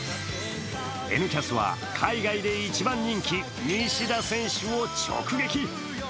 「Ｎキャス」は海外で一番人気、西田選手を直撃。